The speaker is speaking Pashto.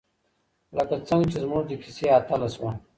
لکه څنګه چې زموږ د کیسې اتله شوه.